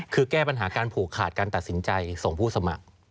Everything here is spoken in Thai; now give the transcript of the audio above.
คือแก้ปัญหาการผูกขาดการตัดสินใจส่งผู้สมัคร